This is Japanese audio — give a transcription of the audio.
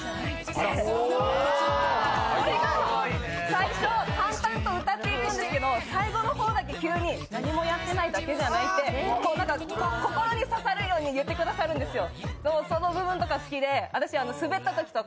最初、淡々と歌っていくんですけど最後の方だけ急に何もやってないだけじゃない？って心に刺さるように言ってくださるんですよ。